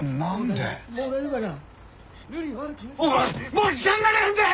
もう時間がねえんだよ！